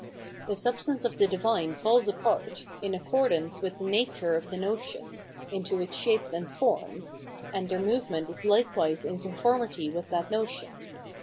The substance of the divine falls apart, in accordance with the nature of the notion, into its shapes and forms, and their movement is likewise in conformity with that notion.